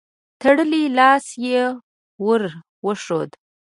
تړلی لاس يې ور وښود.